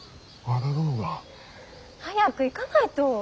早く行かないと！